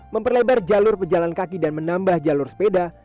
memperlebar jalur pejalan kaki dan menambah jalur sepeda